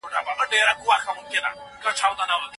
ایا د کروزینسکي یادښتونه مستند دي؟